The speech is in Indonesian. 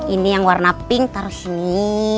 ini yang warna pink taruh sini